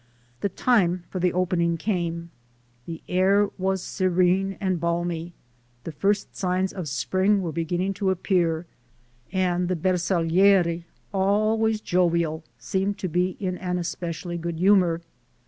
The time for the opening came. The air was serene and balmy, the first signs of spring were beginning to appear and the "Bersaglieri," always jovial, seemed to be in an especially good humor.